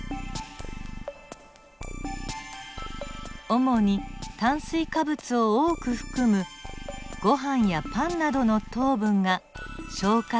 主に炭水化物を多く含むごはんやパンなどの糖分が消化